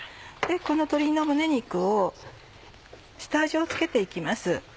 この鶏の胸肉を下味を付けて行きます。